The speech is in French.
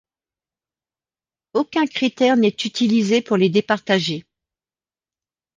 Aucun critère n'est utilisé pour les départager.